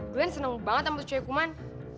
glenn seneng banget sama cewek kuman